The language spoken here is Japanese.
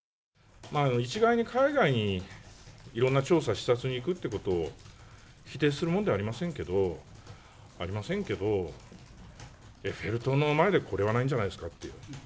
一概に海外にいろんな調査、視察に行くっていうことを否定するものではありませんけども、ありませんけど、エッフェル塔の前でこれはないんじゃないですかっていう。